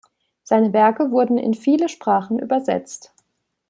Seine Werke wurden in viele Sprachen übersetzt.